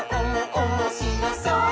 おもしろそう！」